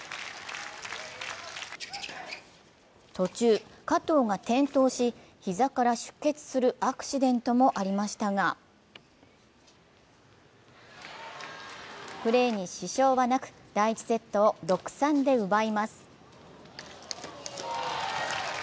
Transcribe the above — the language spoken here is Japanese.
途中、加藤が転倒し、膝から出血するアクシデントもありましたが、プレーに支障はなく、第１セットを６−３で奪います。